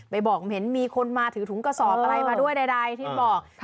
บอกเห็นมีคนมาถือถุงกระสอบอะไรมาด้วยใดที่บอก